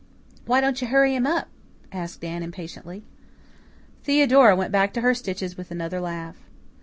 "Why don't you hurry him up?" asked Anne impatiently. Theodora went back to her stitches with another laugh.